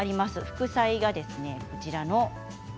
副菜が、こちらです。